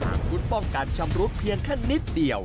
ชุดป้องกันชำรุดเพียงแค่นิดเดียว